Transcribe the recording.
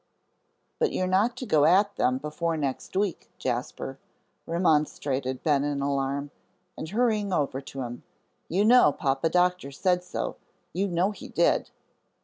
"But you're not to go at them before next week, Jasper," remonstrated Ben, in alarm, and hurrying over to him, "you know Papa Doctor said so; you know he did!"